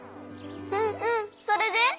うんうんそれで？